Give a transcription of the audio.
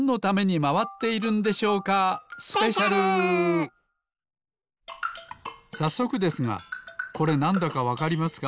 ほんじつはさっそくですがこれなんだかわかりますか？